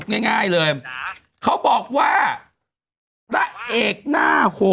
คุณนี่มันอะไรเนี่ยฮะ